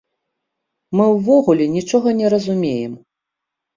Мы ўвогуле нічога не разумеем.